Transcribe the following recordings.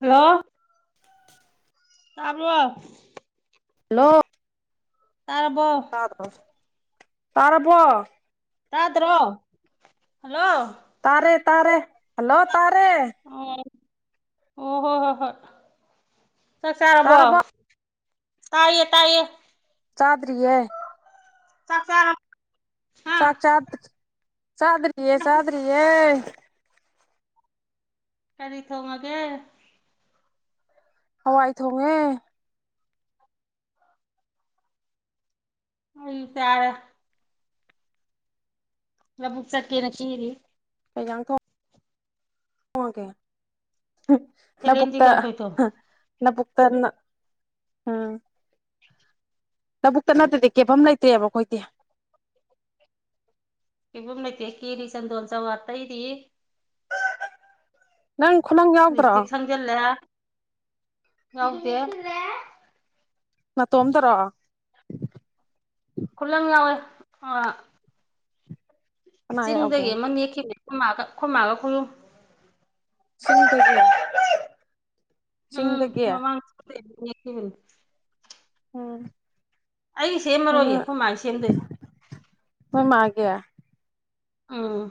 hello ꯇꯥꯕ꯭ꯔꯣ hello ꯇꯥꯔꯕꯣ [unintelligible] ꯇꯥꯔꯕꯣ ꯇꯥꯗ꯭ꯔꯣ ꯍꯜꯂꯣ ꯇꯥꯔꯦ ꯇꯥꯔꯦ ꯍꯜꯂꯣ ꯇꯥꯔꯦ ꯑꯣ ꯑꯣ ꯍꯣꯏ ꯍꯣꯏ ꯍꯣꯏ ꯆꯥꯛ ꯆꯥꯔꯕꯣ ꯇꯥꯔꯕꯣ ꯇꯥꯏꯌꯦ ꯇꯥꯏꯌꯦ ꯆꯥꯗ꯭ꯔꯤꯌꯦ ꯆꯥꯛ ꯆꯥꯔꯞ [unintelligible] ꯆꯥꯛ ꯆꯥꯕ ꯆꯥꯗ꯭ꯔꯤꯌꯦ ꯆꯥꯗ‍꯭ꯔꯤꯌꯦ ꯀꯔꯤ ꯊꯣꯡꯉꯒꯦ ꯍꯋꯥꯏ ꯊꯣꯡꯉꯦ ꯑꯩ ꯆꯥꯔꯦ ꯂꯕꯨꯛ ꯆꯠꯀꯦꯅ ꯀ‌ꯦꯔꯤ ꯀꯩ ꯏꯁꯥꯡ ꯊꯣꯡ ꯊꯣꯡꯉꯒꯦ ꯅ ꯁꯦꯂꯦꯟꯗꯤ ꯂꯕꯨꯛꯇ ꯀꯥꯡꯁꯣꯏ ꯊꯣꯡ ꯍ ꯂꯕꯨꯛꯇ ꯅ ꯎꯝ ꯂꯧꯕꯨꯛꯇ ꯅꯠꯇ꯭ꯔꯗꯤ ꯀꯦꯐꯝ ꯂꯩꯇ‌ꯦꯕ ꯈꯣꯏꯗꯤ ꯀ‌ꯦꯕꯝ ꯂꯩꯇꯦ ꯀ‌ꯦꯔꯤ ꯆꯟꯗꯣꯜ ꯆꯋꯥ ꯇꯩꯔꯤ ꯅꯪ ꯈꯨꯂꯪ ꯌ ꯂꯤꯞꯁꯇꯤꯛ ꯁꯪꯖꯤꯜꯂꯦ ꯌꯥꯎꯗꯦ ꯅꯇ‌ꯣꯝꯗꯔ‌ꯣ ꯈꯨꯜꯂꯪ ꯌꯥꯎꯋ‌ꯦ ꯑꯥ ꯀꯅꯥ ꯌꯥꯎꯒꯦ ꯆꯤꯟꯗꯒꯤ ꯑꯃ ꯅꯦꯛꯈꯤꯕꯅꯦ ꯈꯣꯏꯃꯥꯒꯥ ꯈꯣꯏꯃꯥꯒꯥ ꯈꯣꯏꯍꯨꯝ ꯁꯤꯟꯗꯒꯤ ꯎꯝ ꯆꯤꯡꯗꯒꯤ [unintelligible] ꯎꯝ ꯑꯩ ꯁꯦꯝꯃꯔꯣꯏꯌꯦ ꯎꯝ ꯑꯩꯈꯣꯏ ꯃꯥꯥꯏ ꯁꯦꯝꯗꯣꯏꯅꯦ ꯅꯣꯏ ꯃꯥꯒꯤ ꯎꯝ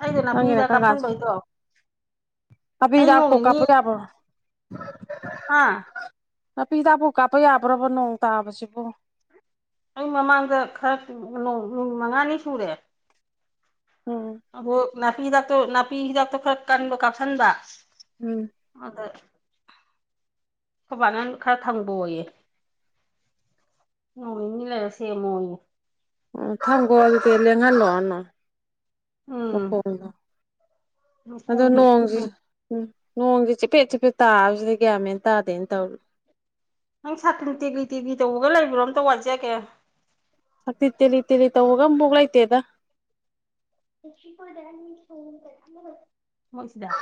ꯑꯩꯗꯣ ꯅꯥꯄꯤ ꯅꯪꯒꯤꯅ ꯍꯤꯗꯥꯛ ꯀꯔꯝ ꯀꯥꯟ ꯀꯥꯞꯁꯤꯟꯕꯩꯗꯣ ꯅꯥꯄꯤ ꯍꯤꯗꯥꯛꯇꯣ ꯀꯥꯞꯄ ꯌꯥꯕꯔꯣ ꯑꯥ ꯅꯥꯄꯤ ꯍꯤꯗꯥꯛꯕꯨꯨ ꯀꯥꯞꯄ ꯌꯥꯕ꯭ꯔꯕ ꯅꯣꯡ ꯇꯥꯕꯁꯤꯕꯨ ꯑꯩ ꯃꯃꯥꯡꯗ ꯈꯔ ꯅꯨ ꯅ‌ꯣꯡ ꯅꯨꯃꯤꯠ ꯃꯉꯥꯅꯤ ꯁꯨꯔꯦ ꯎꯝ ꯑ ꯅꯥꯄꯤ ꯍꯤꯗꯥꯛꯇꯣ ꯅꯥꯄꯤ ꯍꯤꯗꯥꯛꯇꯣ ꯈꯔ ꯀꯟꯕ ꯀꯥꯞꯁꯤꯟꯕ ꯎꯝ ꯑꯗ ꯈ‌ꯣꯏꯕꯥꯅ ꯈꯔ ꯊꯝꯕ‌ꯣꯌꯦ ꯅ‌ꯣꯡ ꯅꯤꯅꯤ ꯂꯩꯔ ꯁ‌ꯦꯝꯃ‌ꯣꯌ‌ꯦ ꯑꯣ ꯊꯝꯈꯣ ꯑꯗꯨꯗꯤ ꯂꯦꯡꯍꯜꯂꯣꯅꯣ ꯎꯝ [inaudible] ꯑꯗ‌ꯣ ꯃꯈꯣꯡꯗꯣ ꯅꯣꯡꯖꯤ ꯎꯝ ꯎꯝ ꯅꯣꯡꯖꯤ ꯆꯤꯄꯦꯠ ꯆꯤꯄꯦꯠ ꯇꯥꯕꯁꯤꯗꯤ ꯒ꯭ꯌꯥꯟ ꯃꯦꯟ ꯇꯥꯗꯦ ꯑꯩꯅ ꯇꯧꯔꯤ ꯅꯪ ꯁꯥꯇꯤꯟ ꯇꯦꯛꯂꯤ ꯇꯦꯛꯂꯤ ꯇꯧꯕꯒ ꯂꯩꯕ꯭ꯔꯣ ꯑꯝꯇ ꯋꯥꯏꯖꯒꯦ ꯁꯇꯤꯟ ꯇꯦꯛꯂꯤ ꯇꯦꯛꯂꯤ ꯇꯧꯕꯒ ꯑꯃꯕꯣꯛ ꯂꯩꯇꯦꯗ [unintelligible] ꯃꯣꯏꯁꯤꯗ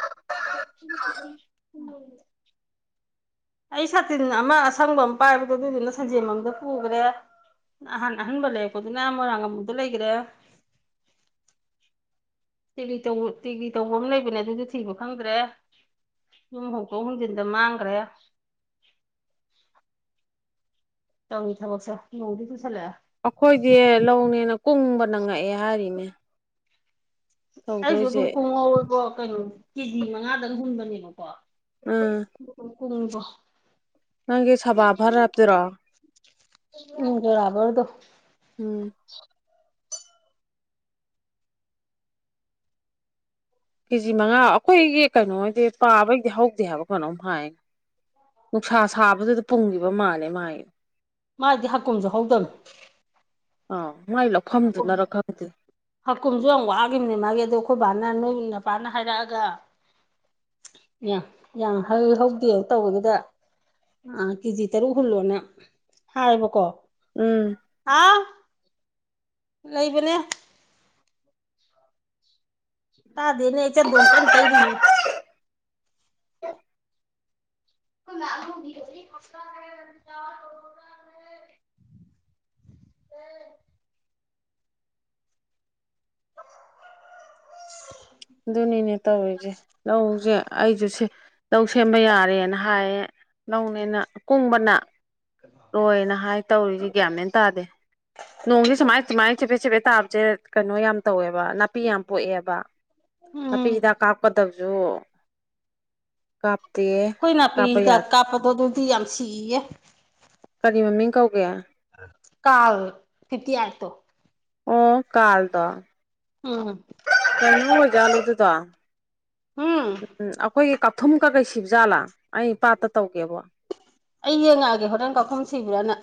[unintelligible] ꯑꯩ ꯁꯥꯇꯤꯟ ꯑꯃ ꯑꯁꯪꯕ ꯑꯃ ꯄꯥꯏꯕꯗꯣ ꯑꯗꯨꯗꯨꯅ ꯁꯟꯖꯦꯝꯕꯝꯗ ꯄꯨꯈ꯭ꯔꯦ ꯅꯍꯟ ꯑꯍꯟꯕ ꯂꯩꯔꯛꯄꯗꯨꯅ ꯃꯣꯏꯔꯥꯡꯉꯝꯕꯗ ꯂꯩꯈꯔꯦ ꯇꯦꯛꯂꯤ ꯇꯧꯕ ꯇꯦꯛꯂꯤ ꯇꯧꯕ ꯑꯃ ꯂꯩꯕꯅꯦ ꯑꯗꯨꯗꯤ ꯊꯤꯕ ꯈꯪꯗ꯭ꯔꯦ ꯌꯨꯝꯍꯣꯡꯇꯣꯛ ꯍꯣꯡꯖꯤꯟꯗ ꯃꯥꯡꯈ꯭ꯔꯦ ꯇꯧꯔꯤ ꯊꯕꯛꯁꯦ ꯅꯣꯡꯗꯤ ꯆꯨꯁꯤꯜꯂꯛꯢ ꯑꯩꯈꯣꯏꯗꯤ ꯂꯧꯅꯦꯅ ꯀꯨꯡꯕꯅ ꯉꯛꯑꯦ ꯍꯥꯏꯔꯤꯅꯦ ꯑꯩꯁꯨ ꯇꯧꯗꯣꯏꯁꯦ ꯑꯗꯨꯝ ꯀꯣꯡꯍꯧꯕ ꯀꯩꯅꯣ ꯀꯦ ꯖꯤ ꯃꯉꯥꯗꯪ ꯍꯨꯟꯕꯅꯦꯕꯀꯣ ꯎꯝ ꯀꯨꯝꯕꯣ [unintelligible] ꯅꯪꯒꯤ ꯁꯥꯕꯥꯚꯥꯔ ꯍꯥꯥꯞꯇꯣꯏꯔꯣ ꯎꯝ ꯌꯥꯔꯣꯏꯗꯣ ꯎꯝ ꯀꯦꯖꯤ ꯃꯉꯥ ꯑꯩꯈꯣꯏꯒꯤ ꯀꯩꯅꯣꯗꯣ ꯇꯥꯕꯩꯗꯤ ꯍꯧꯗꯦ ꯍꯥꯏꯕ ꯀꯩꯅꯣꯝ ꯍꯥꯏ ꯅꯨꯡꯁꯥ ꯁꯥꯕꯗꯨꯗ ꯄꯨꯨꯡꯈꯤꯕ ꯃꯥꯜꯂꯦ ꯃꯥꯏ ꯃꯥꯏꯗꯤ ꯍꯥꯀꯨꯝꯁꯨ ꯍꯧꯗꯝꯅꯦ ꯑ ꯃꯥꯏ ꯂꯧꯐꯝꯗꯨꯅꯔꯥ ꯈꯪꯗꯦ ꯍꯀꯨꯝꯁꯨ ꯌꯥꯝ ꯋꯥꯈꯤꯕꯅꯦ ꯃꯥꯒꯤ ꯑꯗꯣ ꯑꯩꯈꯣꯏ ꯕꯥꯅ ꯅꯣꯏ ꯅꯄꯥꯅ ꯍꯥꯏꯔꯛꯑꯒ ꯌꯥ ꯌꯥꯝ ꯍꯧꯏ ꯍꯧꯗꯦ ꯇꯧꯕꯗꯨꯗ ꯑꯥ ꯀꯦꯖꯤ ꯇꯔꯨꯛ ꯍꯨꯜꯂꯣꯅ ꯍꯥꯏꯌꯦꯕꯀꯣ ꯎꯝ ꯍꯥꯥ ꯂꯩꯕꯅꯦ ꯇꯥꯗꯦꯅꯦ ꯑꯩ ꯆꯟꯗꯣꯟ ꯀꯟ ꯇꯩꯔꯤꯅꯤ [unintelligible] [unintelligible] ꯑꯗꯨꯅꯤꯅꯦ ꯇꯧꯔꯤꯁꯦ ꯂꯧꯁꯦ ꯑꯩꯁꯨ ꯁꯦ ꯂꯧ ꯁꯦꯝꯕ ꯌꯥꯔꯦꯅ ꯍꯥꯏꯌꯦ ꯂꯧꯅꯦꯅ ꯀꯨꯡꯕꯅ ꯂꯣꯏꯅ ꯍꯥꯏ ꯇꯧꯔꯤꯁꯤ ꯒ꯭ꯌꯥꯃꯦꯟ ꯇꯥꯗꯦ ꯀꯣꯡꯗꯤ ꯁꯨꯃꯥꯏ ꯁꯨꯃꯥꯏꯅ ꯆꯤꯐꯦꯠ ꯆꯤꯐꯦꯠ ꯇꯥꯕꯁꯦ ꯀꯩꯅꯣ ꯌꯥꯝ ꯇꯧꯋꯦ ꯅꯥꯄꯤ ꯌꯥꯝ ꯄꯣꯛꯑꯦꯕ ꯅꯥꯄꯤ ꯎꯝ ꯍꯤꯗꯥꯛ ꯀꯥꯞꯀꯗꯕꯁꯨ ꯀꯥꯞꯇꯦ ꯑꯩꯈꯣꯏ ꯀꯥꯞꯄ ꯅꯥꯄꯤꯗ ꯌꯥꯗꯦ ꯀꯥꯞꯄꯗꯣ ꯑꯗꯨꯗꯤ ꯌꯥꯝ ꯁꯤꯌꯦ ꯀꯔꯤ ꯃꯃꯤꯡ ꯀꯧꯒꯦ ꯀꯜ ꯐꯤꯞꯇꯤ ꯑꯩꯏꯠ ꯇꯣ ꯑꯣ ꯀꯥꯜ ꯗꯣ ꯎꯝ ꯀꯨ [unintelligible] ꯑꯣꯏꯣꯏꯖꯥꯂꯨꯗꯨꯗꯣ ꯎꯝ ꯎꯝ ꯑꯩꯈꯣꯏꯒꯤ ꯊꯨꯝ ꯀꯛꯀꯩ ꯁꯤꯕꯖꯥꯠꯂꯥ ꯑꯩ ꯄꯥꯠꯇ ꯇꯧꯒꯦꯕ ꯑꯩ ꯌꯦꯡꯉꯛꯑꯒꯦ ꯍꯣꯔꯦꯟ ꯀꯥꯛꯊꯨꯝ ꯁꯤꯕ꯭ꯔꯥꯅ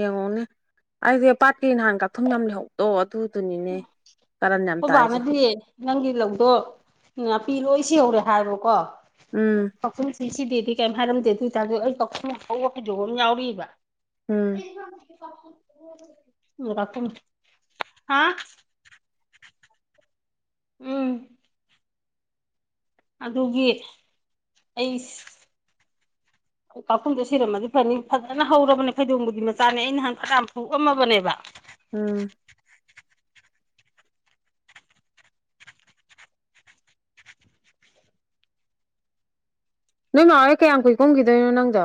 ꯌꯦꯡꯉꯣꯅꯦ ꯑꯩꯁꯦ ꯄꯥꯠꯀꯤ ꯅꯍꯥꯟ ꯀꯥꯊꯨꯝ ꯌꯥꯝ ꯂꯩꯍꯧꯗꯣ ꯑꯗꯨ ꯑꯩꯈꯣꯏ ꯕꯅꯥꯗꯤꯅꯦ ꯅꯪꯒꯤ ꯂꯧꯗꯣ ꯅꯥꯄꯤꯔꯣꯏ ꯁꯤꯍꯧꯔꯦ ꯍꯥꯏꯕꯀꯣ ꯎꯝ ꯄꯥꯛꯈꯨꯝꯁꯤꯁꯤꯗꯦꯗꯤ ꯀꯩꯝ ꯍꯥꯏꯔꯝꯗꯦ ꯑꯗꯨ ꯑꯣꯏꯇꯥꯔꯗꯤ ꯑꯩ ꯄꯥꯛꯈꯨꯝ ꯍꯧꯕ ꯐꯩꯗꯣꯝ ꯑꯃ ꯌꯥꯎꯔꯤꯕ ꯎꯝ [unintelligible] ꯀꯥꯛꯊꯨꯝ ꯍꯥ ꯎꯝ ꯑꯗꯨꯒꯤ ꯑꯩ ꯀꯥꯛꯈꯨꯝꯗꯣ ꯁꯤꯔꯝꯃꯗꯤ ꯐꯅꯤ ꯐꯖꯅ ꯍꯧꯔꯕꯅꯦ ꯐꯩꯗꯣꯡꯕꯗꯤ ꯃꯆꯥꯅꯦ ꯑꯩ ꯅꯍꯥꯟꯅ ꯐꯨꯑꯝꯃꯕꯅꯦꯕ ꯎꯝ [inaudible] ꯅꯣꯏ ꯃꯥ ꯀꯌꯥꯝ ꯀꯨꯏ ꯀꯨꯝꯈꯤꯗꯣꯏꯅꯣ ꯅꯪꯗꯣ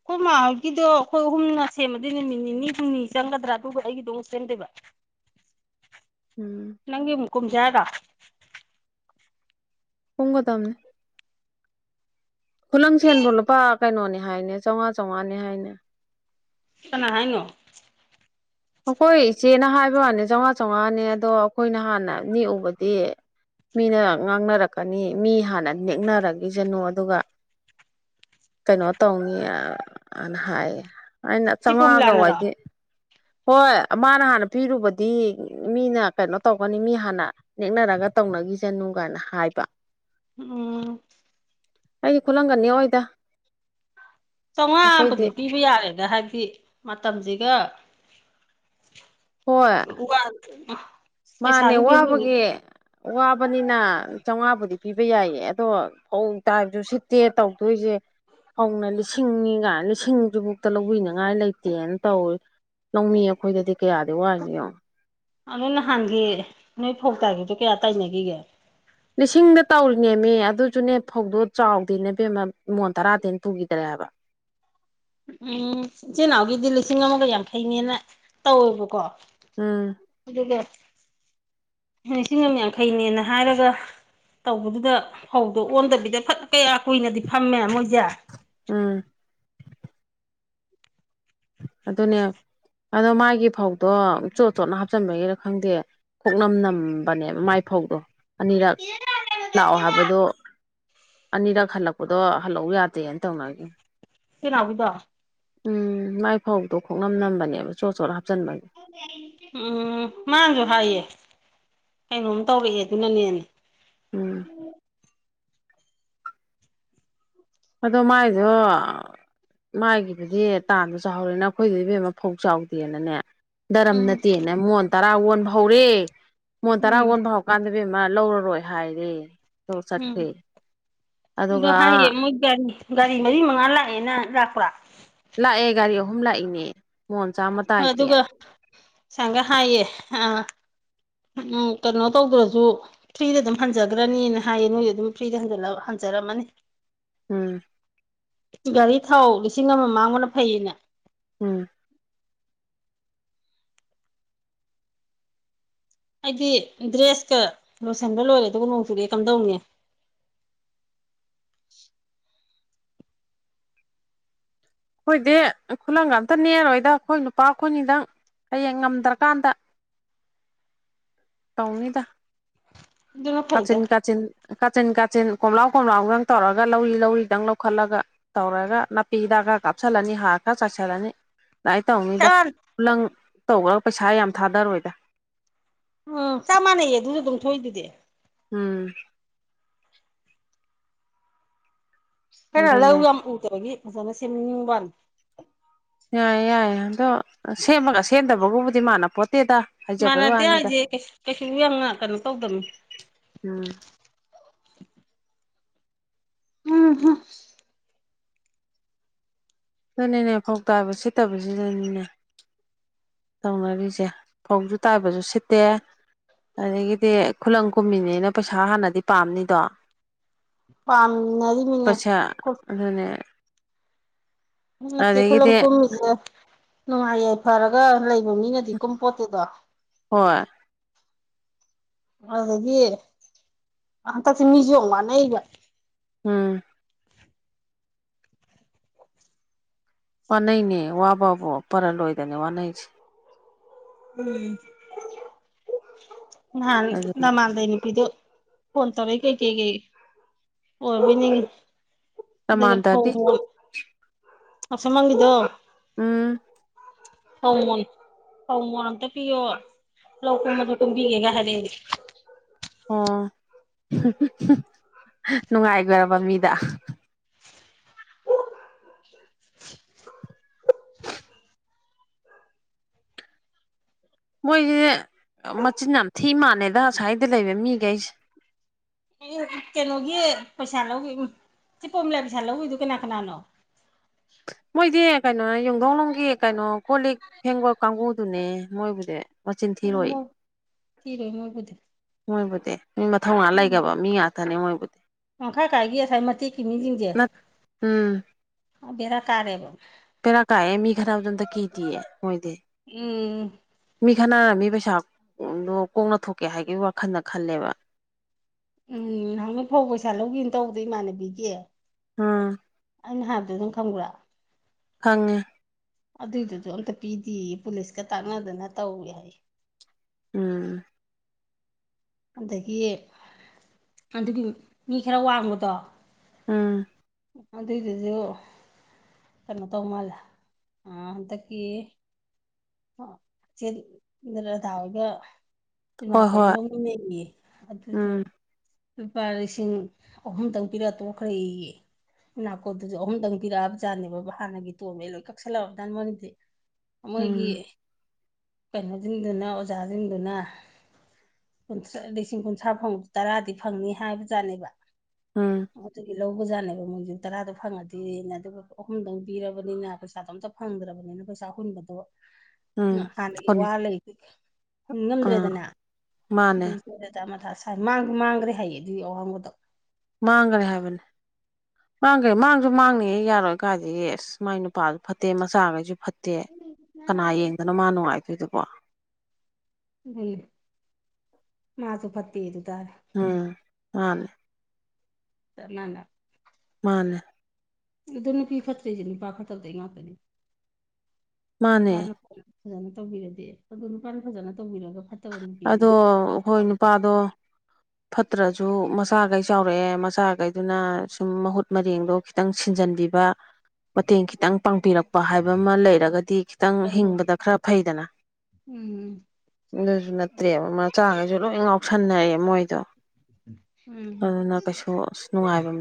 ꯑꯩꯈꯣꯏ ꯃꯥꯣꯏꯒꯤꯗꯣ ꯑꯩꯈꯣꯏ ꯍꯍꯨꯝꯅꯥ ꯁꯦꯝꯃꯗꯤ ꯅꯨꯃꯤꯠ ꯅꯤꯅꯤ ꯍꯨꯝꯅꯤ ꯆꯪꯒꯗ꯭ꯔꯥ ꯑꯗꯨꯒ ꯑꯩꯒꯤꯗ ꯑꯃꯛ ꯁꯦꯝꯗꯣꯏꯕ ꯎꯝ ꯅꯪꯒꯤ ꯃꯨꯛꯀꯨꯨꯝꯖꯦ ꯍꯥꯏꯔꫭ ꯀꯨꯝꯒ ꯇꯝꯅꯦ ꯈꯨꯂꯪ ꯁꯦꯟꯕꯨ ꯂꯨꯄꯥ ꯀꯩꯅꯣꯅꯦ ꯍꯥꯏꯅꯦ ꯆꯥꯝꯃꯉꯥ ꯆꯥꯝꯃꯉꯥꯅꯦ ꯍꯥꯏꯅꯦ ꯀꯥꯅꯥ ꯍꯥꯏꯅꯣ ꯑꯩꯈꯣꯏ ꯏꯆꯦꯅ ꯍꯥꯏꯕ ꯋꯥꯅꯤ ꯆꯥꯝꯃꯉꯥ ꯆꯥꯝꯉꯥꯅꯦ ꯑꯗꯣ ꯑꯩꯈꯣꯏꯅ ꯍꯥꯟꯅ ꯅꯤꯛ ꯎꯕꯗꯤ ꯃꯤꯅ ꯉꯥꯡꯅꯔꯛꯀꯅꯤ ꯃꯤ ꯍꯥꯟꯅ ꯅꯦꯛꯅꯔꯒꯤꯁꯅꯨ ꯑꯗꯨꯒ ꯀꯩꯅꯣ ꯇꯧꯅꯤꯅ ꯍꯥꯏꯌꯦ ꯑꯩꯅ ꯆꯦ ꯆꯥꯃꯉꯥꯒ ꯄꯣꯝꯂꯥꯅꯔꯣ ꯋꯥꯏꯗꯤ ꯍꯣꯏ ꯃꯥꯅ ꯍꯥꯟꯅ ꯄꯤꯔꯨꯕꯗꯤ ꯃꯤꯅ ꯀꯩꯅꯣ ꯇꯧꯒꯅꯤ ꯃꯤ ꯍꯥꯟꯅ ꯅꯦꯛꯅꯔꯒ ꯇꯧꯅꯈꯤꯁꯅꯨ ꯀꯥꯏꯅ ꯍꯥꯏꯕ ꯎꯝ ꯎꯝ ꯑꯩꯗꯤ ꯈꯨꯠꯂꯪꯒ ꯅꯦꯛ ꯑꯣꯏꯗ ꯆꯥꯝꯃꯉꯥꯕꯨꯗꯤ ꯄꯤꯕ ꯌꯥꯔꯦꯗ ꯍꯥꯏꯕꯗꯤ ꯃꯇꯝꯁꯤꯒ ꯍꯣꯏ ꯎ ꯋꯥ ꯃꯥꯅꯦ ꯋꯥꯕꯒꯤ ꯋꯥꯕꯅꯤꯅ ꯆꯥꯝꯃꯉꯥꯕꯨꯗꯤ ꯄꯤꯕ ꯌꯥꯏꯌꯦ ꯑꯗꯣ ꯐꯧ ꯇꯥꯏꯕꯁꯨ ꯁꯤꯠꯇꯦ ꯇꯧꯗꯣꯏꯁꯦ ꯐꯧꯅ ꯂꯤꯁꯤꯡꯅꯤꯒ ꯂꯤꯁꯤꯡ ꯑꯗꯨꯕꯨꯛꯇ ꯂꯧꯕꯤꯅꯤꯉꯥꯏ ꯂꯩꯇꯦꯅ ꯇꯧꯋꯤ ꯂꯧꯃꯤ ꯑꯩꯈꯣꯏꯗꯗꯤ ꯀꯌꯥꯗꯤ ꯋꯥꯏꯅꫭ ꯌꯦꯡꯑꫭ ꯑꯗꯨ ꯅꯍꯥꯟꯒꯤ ꯅꯣꯏ ꯐꯧꯇꯥꯈꯤꯕꯗꯣ ꯀꯌꯥ ꯇꯥꯏꯅꯈꯤꯒꯦ ꯂꯤꯁꯤꯡꯗ ꯇꯧꯔꯤꯅꯦꯃꯤ ꯑꯗꯨꯁꯨꯅꯦ ꯐꯧꯗꯣ ꯆꯥꯎꯗꯦꯅꯦꯕꯦꯝꯃ ꯏꯃꯣꯟ ꯇꯔꯥꯗꯅ ꯄꯨꯈꯤꯗ꯭ꯔꯦꯕ ꯎꯝ ꯏꯆꯤꯟꯜ ꯏꯅꯥꯎꯒꯤꯗꯤ ꯂꯤꯁꯤꯡ ꯑꯃꯒ ꯌꯥꯡꯈꯩꯅꯦꯅ ꯇꯧꯋꯦꯕꯀꯣ ꯎꯝ ꯑꯗꯨꯒ ꯂꯤꯁꯤꯡ ꯑꯃ ꯌꯥꯡꯈꯩꯅꯦꯅ ꯍꯥꯏꯔꯒ ꯇꯧꯕꯗꯨꯗ ꯐꯧꯗꯣ ꯑꯣꯟꯗꯕꯤꯗ ꯐꯠ ꯀꯌꯥ ꯀꯨꯏꯅꯗꯤ ꯐꯝꯃꯦ ꯃꯣꯏꯁꯦ ꯎꯝ ꯑꯗꯨꯅꯦ ꯑꯗꯣ ꯃꯥꯒꯤ ꯐꯧꯗꯣ ꯆꯣꯠ ꯆꯣꯠꯅ ꯍꯥꯞꯆꯤꯟꯕꯒꯤꯔ ꯈꯪꯗꯦ ꯀꯣꯛꯅꯝ ꯅꯝꯕꯅꯦꯕ ꯃꯥꯏ ꯐꯧꯗꯣ ꯑꯅꯤꯔꯛ ꯂꯥꯛꯑꯣ ꯍꯥꯏꯕꯗꯣ ꯑꯅꯤꯔꯛ ꯍꯜꯂꯛꯄꯗꯣ ꯍꯜꯂꯛꯎ ꯌꯥꯗꯦꯅ ꯇꯧꯅꯒꯤꯕꯅꯦ ꯏꯆꯦ ꯅꯥꯎꯕꯤꯗꫭ ꯎꯝ ꯃꯥꯏ ꯐꯧꯗꯣ ꯈꯣꯡꯅꯝ ꯅꯝꯕꯅꯦꯕ ꯆꯣꯠ ꯆꯣꯠ ꯍꯥꯞꯆꯤꯟꯕꯒꯤ ꯎꯝ ꯃꯥꯁꯨ ꯍꯥꯏꯌꯦ ꯀꯩꯅꯣꯝ ꯇꯧꯔꯛꯑꯦ ꯑꯗꯨꯅꯅꯦꯅꯦ ꯎꯝ ꯑꯗꯣ ꯃꯥꯏꯗꫭ ꯃꯥꯏꯒꯤꯗꯨꯗꯤ ꯇꯥꯟꯕꯁꯨ ꯍꯧꯔꯦ ꯅ ꯑꯩꯈꯣꯏꯗ ꯏꯕꯦꯝ ꯑꯃ ꯐꯧ ꯆꯥꯎꯗꯦꯅꯅꯦ ꯗꯔꯝ ꯎꯝ ꯅꯠꯇꯦꯅ ꯃꯣꯟ ꯇꯔꯥ ꯑꯣꯟꯕ ꯍꯧꯔꯦ ꯃꯣꯟ ꯇꯔꯥ ꯎꯝ ꯑꯣꯟꯕ ꯍꯧ ꯀꯥꯟꯅꯕꯤ ꯑꯃ ꯂꯧꯔꯔꯣꯏ ꯍꯥꯏꯔꯦ ꯎꯝ ꯆꯠꯈ꯭ꯔꯦ ꯑꯗꯣ ꯑꯗꯨꯒ ꯍꯥꯏꯌꯦ ꯃꯣꯏ ꯒꯥꯔꯤ ꯒꯥꯔꯤ ꯃꯔꯤ ꯃꯉꯥ ꯂꯥꯛꯑꯦꯅ ꯂꯥꯛꯄ꯭ꯔꯥ ꯂꯥꯛꯑꯦ ꯒꯥꯔꯤ ꯑꯍꯨꯝ ꯂꯥꯛꯏꯅꯦ ꯃꯣꯟ ꯆꯥꯝꯃꯥ ꯍꯣꯏ ꯑꯗꯨꯒ ꯁꯪꯒ ꯍꯥꯏꯌꯦ ꯑꯥ ꯎꯝ ꯀꯩꯅꯣ ꯇꯧꯗ꯭ꯔꯁꯨ ꯐ꯭ꯔꯤꯗ ꯑꯗꯨꯝ ꯍꯟꯖꯈ꯭ꯔꯅꯤꯅ ꯍꯥꯏꯌꯦ ꯅꯣꯏꯁꯨ ꯑꯗꯨꯝ ꯐ꯭ꯔꯤꯗ ꯍꯟꯖꯔꯝꯃꯅꯤ ꯎꯝ ꯒꯥꯔꯤ ꯊꯥꯎ ꯂꯤꯁꯤꯡ ꯑꯃ ꯃꯥꯡꯉꯅ ꯐꯩꯌꯦꯅꯦ ꯎꯝ ꯑꯩꯗꯤ ꯗ꯭ꯔꯦꯁꯀ ꯂꯣꯏꯁꯤꯟꯕ ꯂꯣꯏꯔꯦ ꯑꯗꯨꯒ ꯅꯣꯡ ꯆꯨꯨꯔꯛꯑꯦ ꯀꯝꯗꯧꯅꯤ ꯑꯩꯈꯣꯏꯗꯤ ꯈꯨꯂꯪꯒ ꯑꯝꯇ ꯅꯦꯛꯔꯣꯏꯗ ꯑꯩꯈꯣꯏ ꯅꯨꯄꯥ ꯑꯩꯈꯣꯏꯅꯤꯗꯪ ꯍꯌꯦꯡ ꯉꯝꯗ꯭ꯔꯀꯥꯟꯗ ꯇꯧꯅꯤꯗ ꯑꯗꯨꯅ ꯐꯩꯗ ꯀꯥꯆꯤꯟ ꯀꯥꯆꯤꯟ ꯀꯥꯆꯤꯟ ꯀꯥꯆꯤꯟ ꯀꯣꯝꯂꯥꯎ ꯀꯣꯝꯂꯥꯎꯗꯪ ꯇꯧꯔꯒ ꯂꯧꯔꯤ ꯂꯧꯔꯤꯗꯪ ꯂꯧꯈꯠꯂꯒ ꯇꯧꯔꯒ ꯅꯥꯄꯤ ꯍꯤꯗꯥꯛꯒ ꯀꯥꯞꯁꯤꯜꯂꯅꯤ ꯍꯥꯒ ꯆꯥꯏꯁꯤꯜꯂꯅꯤ ꯑꯗꯨꯗꯥꯃꯥꯏꯅ ꯇꯧꯅꯤꯗ ꯆꯞ ꯈꯨꯂꯪ ꯇꯧꯈ꯭ꯔꯒ ꯄꯩꯁꯥ ꯌꯥꯝ ꯊꯥꯗꯔꯣꯏꯗ ꯎꯝ ꯆꯞ ꯃꯥꯟꯅꯩꯌꯦ ꯑꯗꯨꯁꯨ ꯑꯗꯨꯝ ꯊꯣꯛꯏꯗꯨꯗꯤ ꯎꯝ ꯀꯩꯅꯣ ꯂꯧ ꯑꯗꯨꯅꯦ ꯌꯥꯝ ꯎꯗꯕꯒꯤ ꯐꯖꯅ ꯁꯦꯝꯅꯤꯡꯕꯅꯤ ꯌꯥꯏꯌꯦ ꯌꯥꯏ ꯑꯗꯣ ꯁꯦꯝꯃꯒ ꯁꯦꯝꯗꯕꯒꯕꯨꯗꯤ ꯃꯥꯅ ꯄꯣꯠꯇꯦꯗ ꯏꯃꯥꯟꯅꯗꯦ ꯍꯥꯏꯁꯦ ꯀꯩꯁꯨ ꯀꯩꯅꯣ ꯇꯧꯗꯕꯅꯤ ꯎꯝ ꯎꯝ ꯍꯝ ꯑꯗꯨꯅꯦꯅꯦ ꯐꯧ ꯇꯥꯕ ꯁꯤꯠꯇꯕꯁꯤꯗꯅꯤꯅꯦ ꯇꯧꯅꯔꯤꯁꯦ ꯐꯧꯁꯨ ꯇꯥꯏꯕꯁꯨ ꯁꯤꯠꯇꯦ ꯑꯗꯒꯤꯗꯤ ꯈꯨꯂꯪ ꯀꯨꯝꯃꯤꯅꯦꯅ ꯄꯩꯁꯥ ꯍꯥꯟꯅꯗꯤ ꯄꯥꯝꯅꯤꯗꯣ ꯄꯥꯝꯅꯔꯤꯃꯤꯅꯦ ꯄꯩꯁꯥ ꯑꯗꯨꯅꯦ ꯅꯠꯇꯦ ꯈꯨꯂꯪ ꯑꯗꯒꯤꯗꯤ ꯀꯨꯝꯃꯤꯁꯦ ꯅꯨꯡꯉꯥꯏ ꯌꯥꯏꯐꯔꯒ ꯂꯩꯕ ꯃꯤ ꯅꯠꯇꯦ ꯀꯨꯝ ꯄꯣꯠꯇꯗ ꯍꯣꯏ ꯑꯗꯨꯗꯒꯤ ꯍꯟꯗꯛꯁꯦ ꯃꯤꯁꯨ ꯋꯥꯥꯟꯅꯩꯕ ꯎꯝ ꯋꯥꯅꯩꯅꯦ ꯋꯥꯕꯕꯨ ꯄꯔ ꯂꯣꯏꯗꯅ ꯋꯥꯅꯩꯁꯦ ꯎ ꯃꯥ ꯑꯗꯨ ꯅꯃꯥꯥꯟꯗ ꯅꯨꯄꯤꯗꫭ ꯐꯣꯟ ꯇꯧꯔꯛꯏ ꯀꯩꯀꯩꯀꯩ ꯑꯣꯏꯅꯤꯡꯉ ꯑꯗꯨꯒ ꯐꯧ ꯄ꯭ꯔꯃꯥꯟꯗꯗꯤ ꯑꯁ ꯃꯒꯗꫭ ꯎꯝ ꯊꯧ ꯃꯣꯟ ꯊꯧ ꯃꯣꯟ ꯑꯝꯇ ꯄꯤꯌꯣ ꯂꯧ ꯀꯨꯝꯃꯁꯨ ꯀꯨꯝꯕꯤꯒꯦ ꯍꯥꯏꯔꯛꯑꯦ ꯑꯣ ꯅꯨꯡꯉꯥꯏꯈꯔꯕ ꯃꯤꯗ UNINTELLIGIBLE ꯃꯣꯏꯁꯦ ꯃꯆꯤꯟ ꯌꯥꯝ ꯊꯤ ꯃꯥꯜꯂꯦꯗ ꯉꯁ꯭ꯋꯥꯏꯗ ꯂꯩꯕ ꯃꯤꯈꯩꯁꯦ ꯀꯩꯅꯣꯒꯤ ꯄꯩꯁꯥ ꯂꯧꯕꯤ ꯏꯆꯦ ꯄꯣꯝꯃꯤꯂꯑꯒꯤ ꯄꯩꯁꯥ ꯂꯧꯈꯤꯕꯗꯨ ꯀꯅꯥ ꯀꯅꯥꯅꯣ ꯃꯣꯏꯗꯤ ꯀꯩꯅꯣꯅꯦ ꯌꯨꯝꯊꯧꯅꯨꯡꯒꯤ ꯀꯩꯅꯣ ꯀꯣ ꯂꯤꯛ ꯐꯦꯡꯒꯠ ꯀꯥꯡꯒꯨꯗꯨꯅꯦ ꯃꯣꯏꯕꯨꯗꯤ ꯃꯆꯤꯟ ꯊꯤꯔꯣꯏ ꯑꯣ ꯊꯤꯔꯣꯏ ꯃꯣꯏꯕꯨꯗꯤ ꯃꯣꯏꯕꯨꯗꯤ ꯅꯣꯏ ꯃꯊꯧꯅꯥ ꯂꯩꯒꯔꯥꯕ ꯃꯤ ꯉꯥꯛ ꯊꯅ ꯃꯣꯏꯕꯨꯗꯤ ꯃꯈꯥ ꯀꯥꯏꯒꯤ ꯑꯁꯥꯏꯒꯤ ꯃꯇꯦꯛꯀꯤ ꯃꯤꯁꯤꯡꯁꯦ ꯅꯠ ꯎꯝ ꯕꯦꯔꯥ ꯀꯥꯔꯦꯕ ꯄꯦꯔꯥ ꯀꯥꯏꯑꯌꯦ ꯃꯤ ꯈꯠꯅꯕꯗ ꯑꯃꯇꯥ ꯀꯗꯤꯌꯦ ꯃꯣꯏꯗꯤ ꯎꯝ ꯃꯤ ꯈꯅꯥꯔꯝꯅꯤ ꯃꯤ ꯄꯩꯁꯥꯗꯣ ꯀꯣꯛꯅ ꯊꯣꯛꯀꯦ ꯍꯥꯏꯕꯒꯤ ꯋꯥꯈꯜꯗ ꯈꯜꯂꯦꯕ ꯎꯝ ꯍꯗꯛ ꯐꯧ ꯄꯩꯁꯥ ꯂꯧꯒꯦꯅ ꯇꯧꯕꯗꯣ ꯏꯃꯥꯟꯅꯕꯤꯒꯤ ꯑꯝ ꯑꯩꯅ ꯍꯥꯏꯕꯗꯣ ꯑꯗꯨꯝ ꯈꯪꯕ꯭ꯔꯥ ꯈꯉꯦ ꯑꯗꯨꯏꯗꯨꯁꯨ ꯑꯝꯇ ꯄꯤꯗꯤꯌꯦ ꯄꯨꯂꯤꯁꯀ ꯇꯥꯛꯅꯗꯅ ꯇꯧꯋꯤ ꯍꯥꯏ ꯎꯝ ꯑꯗꯒꯤ ꯑꯗꯨꯒꯤ ꯃꯤ ꯈꯔ ꯋꯥꯡꯕꯗꯣ ꯎꯝ ꯑꯗꯨꯏꯗꯨꯁꯨ ꯀꯩꯅꯣ ꯇꯧ ꯃꯥꯜꯂꯦ ꯑ ꯍꯟꯗꯛꯀꯤ ꯆꯦ ꯔꯗꯥ ꯍꯣꯏꯒ ꯍꯣꯏ ꯍꯣꯏ ꯅꯥꯀꯣꯝꯗ ꯃꯟꯅꯔꯤꯌꯦ ꯑꯗꯨꯁꯨ ꯎꯝ ꯂꯨꯄꯥ ꯂꯤꯁꯤꯡ ꯑꯍꯨꯝꯇꯪ ꯄꯤꯔꯛ ꯇꯣꯛꯈ꯭ꯔꯦꯌꯦ ꯅꯥꯀꯣꯠꯇꯗꯨꯨꯁꯨ ꯑꯍꯨꯝꯗꯪ ꯄꯤꯛꯑꯕꯖꯥꯠꯅꯦꯕ ꯍꯥꯟꯅꯒꯤ ꯇꯣꯝꯃꯦ ꯂꯣꯏ ꯀꯛꯁꯜꯂꯛꯑꯗꯥꯅ ꯃꯣꯏꯒꯤꯗꯤ ꯃꯣꯏꯒꯤ ꯎꯝ ꯀꯩꯅꯣꯁꯤꯡꯗꯨꯅ ꯑꯣꯖꯥꯁꯤꯡꯗꯨꯅ ꯥ ꯂꯤꯁꯤꯡ ꯀꯨꯟꯊ꯭ꯔꯥ ꯐꯪꯕ ꯇꯔꯥꯗꯤ ꯐꯪꯅꯤ ꯍꯥꯏꯕꯖꯥꯠꯅꯦꯕ ꯎꯝ ꯑꯗꯨꯒꯤ ꯂꯧꯕꯖꯥꯠꯅꯦꯕ ꯃꯣꯏꯁꯨ ꯇꯔꯥꯗꯣ ꯐꯪꯉꯗꯤꯅ ꯑꯗꯨꯒ ꯑꯍꯨꯝꯗꯪ ꯄꯤꯔꯕꯅꯤꯅ ꯄꯩꯁꯥꯗꯣ ꯑꯝꯇ ꯐꯪꯗ꯭ꯔꯕꯅꯤꯅ ꯄꯩꯁꯥ ꯍꯨꯟꯕꯗꯣ ꯎ ꯎꯝ ꯍꯥꯟꯅꯒꯤ ꯍꯨꯟ ꯋꯥ ꯂꯩ ꯑꯥ ꯍꯣꯡꯉꯝꯗ꯭ꯔꯦꯗꯅ ꯃꯥꯅꯦ ꯑꯗꯨꯒꯤ ꯖ ꯃꯊ ꯁꯥꯏꯥꯡ ꯃꯥꯡꯈ꯭ꯔꯦ ꯍꯥꯏꯌꯦ ꯑꯗꯨꯏ ꯑꯋꯥꯡꯕꯗꯣ ꯃꯥꯡꯒ ꯔꯦ ꯍꯥꯏꯕꯅꯦ ꯃꯥꯡꯈꯩ ꯃꯥꯡꯁꯨ ꯃꯥꯡꯅꯤꯉ ꯌꯥꯔꯣꯏ ꯀꯥꯏꯗꯤ ꯑꯁ ꯃꯥꯏ ꯅꯨꯄꯥꯁꯨ ꯐꯠꯇꯦ ꯃꯆꯥꯈꯩꯁꯨ ꯐꯠꯇꯦ ꯅꯠꯇꯦ ꯀꯅꯥ ꯌꯦꯡꯗꯅꯣ ꯃꯥ ꯅꯨꯡꯉꯥꯏꯇꯣꯏꯗꯨꯕꯣ ꯎꯝ ꯃꯥꯁꯨ ꯐꯠꯇ ꯑꯗꯨꯨ ꯇꯔꯦ ꯎꯝ ꯃꯥꯅꯦ ꯆꯥꯞꯃꯥꯅꯕ ꯃꯥꯅꯦ ꯑꯗꯨꯣ ꯅꯨꯄꯤ ꯐꯠꯇ꯭ꯔꯤꯁꯦ ꯅꯨꯄꯥ ꯐꯠꯇꯕꯗꯩ ꯉꯥꯛꯇꯅꯤ ꯅꯨꯄꯥ ꯃꯥꯅꯦ ꯅꯨꯄꯥ ꯐꯖꯅ ꯇꯧꯕꯤꯔꯗꯤ ꯑꯗꯨꯣ ꯅꯨꯄꯥꯅ ꯐꯖꯅ ꯇꯧꯕꯤꯔꯒ ꯐꯠꯇ ꯑꯗꯣ ꯍꯣꯏ ꯅꯨꯄꯥꯗꯣ [inaudible] ꯐꯠꯇ꯭ꯔꯁꯨ ꯃꯆꯥꯈꯩ ꯆꯥꯎꯔꯛꯑꯦ ꯃꯆꯥꯈꯩꯗꯨꯅ ꯁꯨꯝ ꯃꯍꯨꯠ ꯃꯔꯦꯡꯗꯣ ꯈꯤꯇꯪ ꯁꯤꯟꯖꯟꯕꯤꯕ [inaudible] ꯃꯇꯦꯡ ꯈꯤꯇꯪ ꯄꯥꯡꯕꯤꯔꯛꯄ ꯍꯥꯏꯕ ꯑꯃ ꯂꯩꯔꯒꯗꯤ ꯈꯤꯇꯪ ꯍꯤꯡꯕꯗ ꯈꯔ ꯐꯩꯗꯅ ꯎꯝ ꯑꯗꯨꯁꯨ ꯅꯠꯇ꯭ꯔꯦꯕ ꯃꯆꯥꯈꯩꯁꯨ ꯂꯣꯏ ꯉꯥꯎꯁꯟꯅꯑꯦ ꯃꯣꯏꯗꯣ ꯎꯝ ꯑꯗꯨꯅ ꯀꯩꯁꯨ ꯑꯁ ꯅꯨꯡꯉꯥꯏꯕ